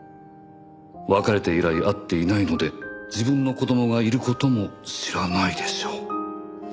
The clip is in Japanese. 「別れて以来会っていないので自分の子供がいることも知らないでしょう」